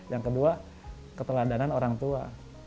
yang kedua keteladanan orang tua